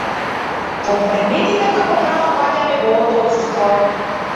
По предметите, како прав, паѓа неговото отсуство.